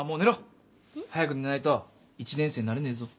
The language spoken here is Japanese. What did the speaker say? んっ？早く寝ないと１年生になれねえぞ。